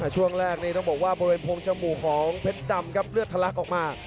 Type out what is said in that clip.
ช่วงแรกนี้ต้องบอกว่าบริเวณโพงจมูกของเพชรดำครับเลือดทะลักออกมา